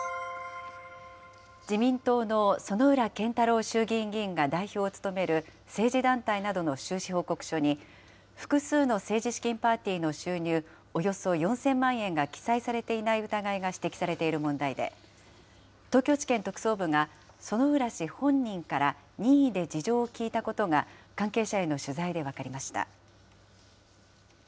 自民党の薗浦健太郎衆議院議員が代表を務める政治団体などの収支報告書に、複数の政治資金パーティーの収入、およそ４０００万円が記載されていない疑いが指摘されている問題で、東京地検特捜部が、薗浦氏本人から任意で事情を聴いたことが、関係者への取材で分かりました。